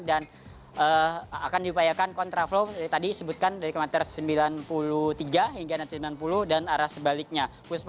yang terakhir adalah kondisi kontraflow dari sembilan puluh tiga hingga sembilan puluh dan arah sebaliknya